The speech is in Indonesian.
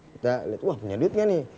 kita liat wah punya duit gak nih